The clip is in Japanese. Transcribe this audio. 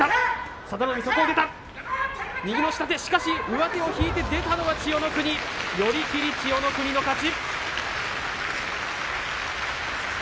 上手を引いて出たのは千代の国寄り切って、千代の国の勝ち。